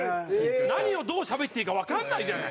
何をどうしゃべっていいかわかんないじゃない。